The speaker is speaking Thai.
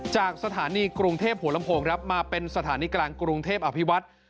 จากสถานีกรุงเทพหัวลำโพงครับมาเป็นสถานีกลางกรุงเทพอภิวัตร